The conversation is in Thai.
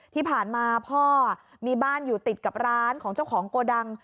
ที่ผ่านมาพ่อมีบ้านอยู่ติดกับร้านของเจ้าของโกดัง